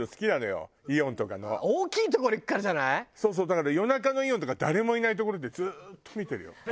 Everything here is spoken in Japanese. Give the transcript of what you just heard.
だから夜中のイオンとか誰もいない所でずっと見てるよ。